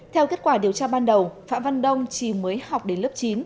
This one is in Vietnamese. theo kết quả điều tra ban đầu phạm văn đông chỉ mới học đến lớp chín